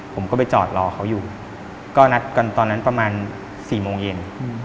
ผมก็ไปจอดรอเขาอยู่ก็นัดกันตอนนั้นประมาณ๔โมงเย็น